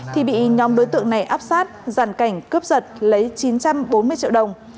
thì bị nhóm đối tượng này áp sát giàn cảnh cướp giật lấy chín trăm bốn mươi triệu đồng